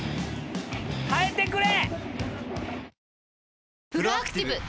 耐えてくれ！